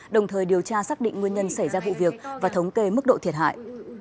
đồng thời điều tra xác định nguyên nhân xảy ra vụ việc và thống kê mức độ thiệt hại